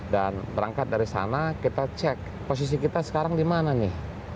dan berangkat dari sana kita cek posisi kita sekarang di mana nih